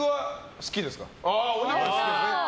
好きですね。